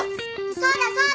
そうだそうだ！